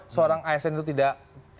seorang asn itu tidak